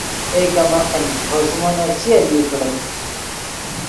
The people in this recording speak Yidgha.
اے کم عقل ڤے خوئے زیمونف چی المی کڑیت